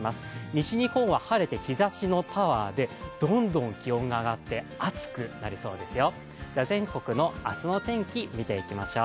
西日本は晴れて日ざしのパワーでどんどん気温が上がって暑くなりそうですよ。